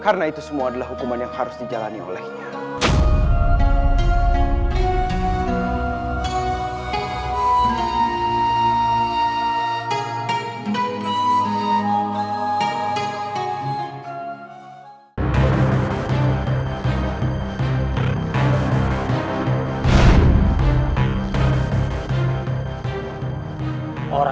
karena itu semua adalah hukuman yang harus dijalani olehnya